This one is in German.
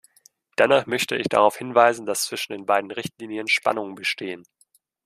Dennoch möchte ich darauf hinweisen, dass zwischen den beiden Richtlinien Spannungen bestehen.